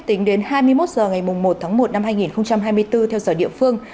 tính đến hai mươi một h ngày một một hai nghìn hai mươi bốn theo giờ địa phương